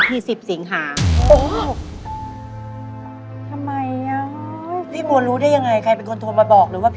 พี่ดีกรน่ะ